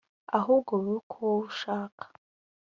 ahubwo bibe uko wowe ushaka